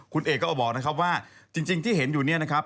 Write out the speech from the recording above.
คุณเอกก็บอกนะครับว่าจริงที่เห็นอยู่เนี่ยนะครับ